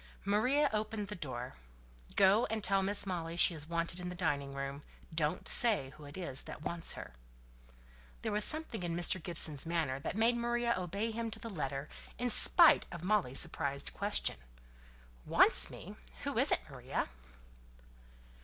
Maria opened the door. "Go and tell Miss Molly she's wanted in the dining room. Don't say who it is that wants her." There was something in Mr. Gibson's manner that made Maria obey him to the letter, in spite of Molly's surprised question, "Wants me? Who is it, Maria?"